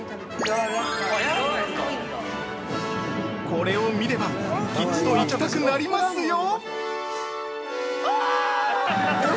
◆これを見ればきっと行きたくなりますよ！